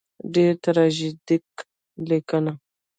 ډېره تراژیکه لیکنه.